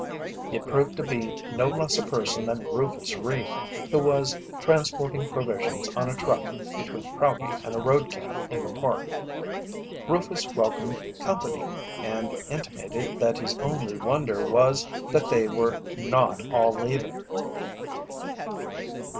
It proved to be no less a person than Rufus Reed, who was transporting provisions on a truck between Prouty and a road camp in the Park. Rufus welcomed company and intimated that his only wonder was that they were not all leaving.